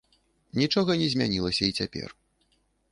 Нічога не змянілася і цяпер.